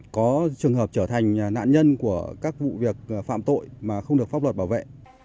có trường hợp trở thành nạn nhân của các vụ việc phạm tội mà không được pháp luật bảo vệ